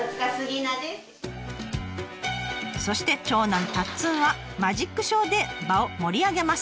そして長男たっつんはマジックショーで場を盛り上げます。